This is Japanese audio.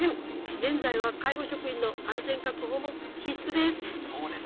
現在は介護職員の安全確保も必須です。